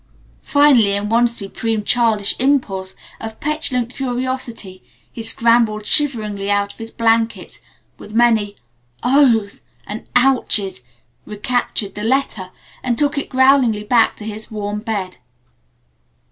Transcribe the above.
Finally, in one supreme, childish impulse of petulant curiosity, he scrambled shiveringly out of his blankets with many "O h's" and "O u c h 's," recaptured the letter, and took it growlingly back to his warm bed.